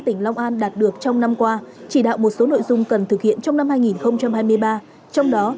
tỉnh long an đạt được trong năm qua chỉ đạo một số nội dung cần thực hiện trong năm hai nghìn hai mươi ba trong đó